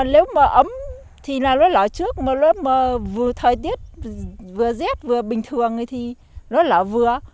nếu mà ấm thì nó là trước mà vừa thời tiết vừa rét vừa bình thường thì nó là vừa